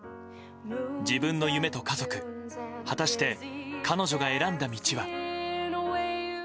自分の夢と家族果たして、彼女が選んだ道は。